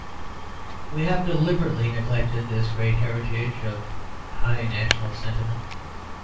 We have deliberately neglected this great heritage of high national sentiment.